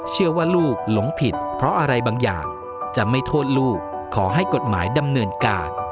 เชื่อว่าลูกหลงผิดเพราะอะไรบางอย่างจะไม่โทษลูกขอให้กฎหมายดำเนินการ